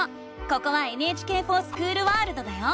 ここは「ＮＨＫｆｏｒＳｃｈｏｏｌワールド」だよ！